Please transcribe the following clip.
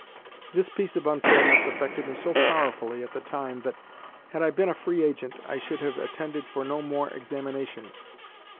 This piece of unfairness affected me so powerfully at the time that, had I been a free agent, I should have attended for no more examinations.